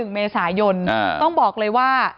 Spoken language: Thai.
๑เมษายนต้องบอกเลยว่า